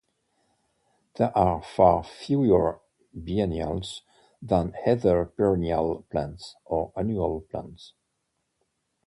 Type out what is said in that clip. There are far fewer biennials than either perennial plants or annual plants.